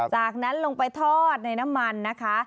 จากนั้นลงไปทอดในน้ำมันนะคะ